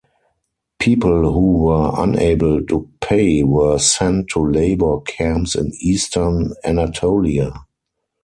People who were unable to pay were sent to labor camps in eastern Anatolia.